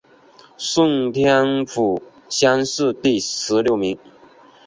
顺天府乡试第十六名。